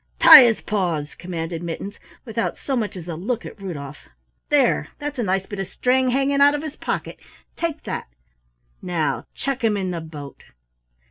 "Tie his paws!" commanded Mittens, without so much as a look at Rudolf. "There that's a nice bit of string hanging out of his pocket take that. Now chuck him in the boat!"